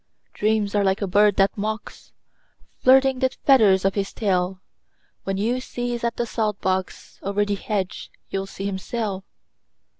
Dreams are like a bird that mocks, Flirting the feathers of his tail. When you sieze at the salt box, Over the hedge you'll see him sail.